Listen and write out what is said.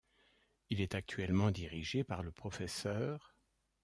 Il est actuellement dirigé par le Pr.